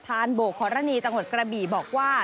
ธานโบกขณะนี้จังหวัดกระบี่บอกว่า